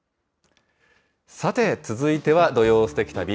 さて、続いては土曜すてき旅。